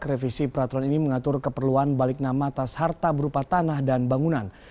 revisi peraturan ini mengatur keperluan balik nama atas harta berupa tanah dan bangunan